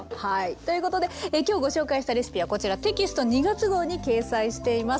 ということで今日ご紹介したレシピはこちらテキスト２月号に掲載しています。